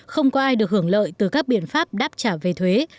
không có ai được hưởng lợi từ các biện pháp đáp trả về thuế